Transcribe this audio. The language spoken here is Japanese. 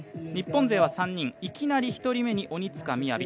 日本勢は３人いきなり１人目に鬼塚雅。